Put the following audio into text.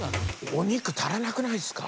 お肉足らなくないっすか？